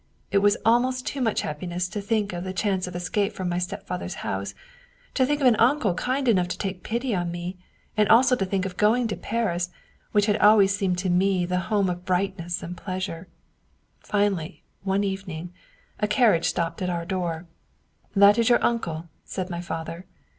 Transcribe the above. It was almost too much happiness to think of the chance of escape from my stepfather's house, to think of an uncle kind enough to take pity on me, and also to think of going to Paris, which had always seemed to me the home of brightness and pleasure. Finally, one evening, a carriage stopped at our door. * That is your uncle/ said my father.